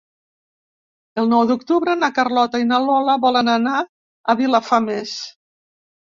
El nou d'octubre na Carlota i na Lola volen anar a Vilafamés.